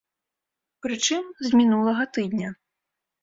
Прычым, з мінулага тыдня!